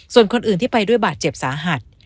ส่วนคนอื่นที่ไปด้วยบาดเจ็บสาหัส